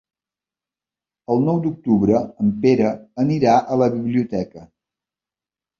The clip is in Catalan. El nou d'octubre en Pere anirà a la biblioteca.